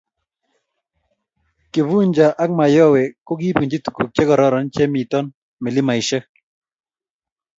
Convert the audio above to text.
kifuja ak mayowe ko kibunji tuguk che kororon che mito milimesheck